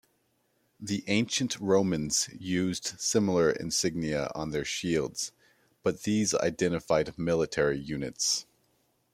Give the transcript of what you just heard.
The ancient Romans used similar insignia on their shields, but these identified military units.